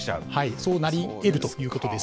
そうなりえるということです。